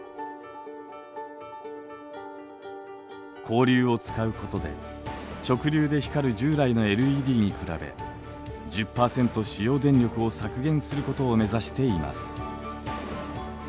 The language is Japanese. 交流を使うことで直流で光る従来のＬＥＤに比べ１０％使用電力を削減することを目指しています。